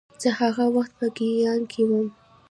زه هغه وخت په ګیانا کې وم